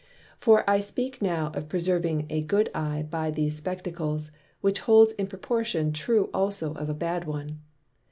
For I speak now of preserving a good Eye by these Spectacles, which holds in proportion true also of a bad one.